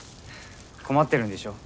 困ってるんでしょ？